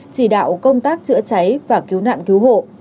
chỉ đạo công tác chữa cháy và cứu nạn cứu hộ